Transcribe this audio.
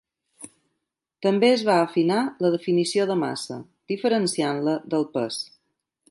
També es va afinar la definició de massa, diferenciant-la del pes.